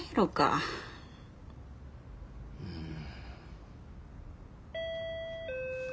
うん。